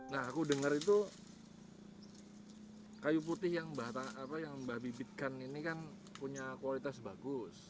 nah aku dengar itu kayu putih yang mbak bibitkan ini kan punya kualitas bagus